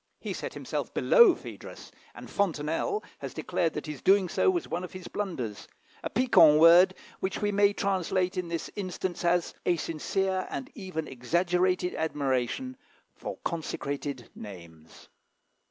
He set himself below Phædrus, and Fontenelle has declared that his doing so was one of his blunders a piquant word, which we may translate in this instance as "a sincere and even exaggerated admiration for consecrated names."